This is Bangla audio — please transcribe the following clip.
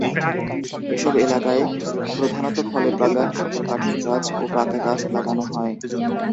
এসব এলাকায় প্রধানত ফলের বাগান, শক্ত কাঠের গাছ ও বাকা গাছ লাগানো হয়।